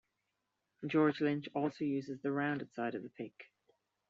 George Lynch also uses the rounded side of the pick.